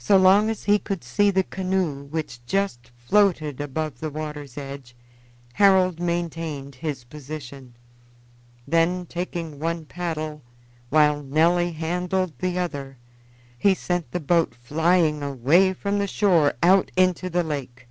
So long as he could see the canoe, which just floated above the water's edge, Harold maintained his position; then taking one paddle, while Nelly handled the other, he sent the boat flying away from the shore out into the lake.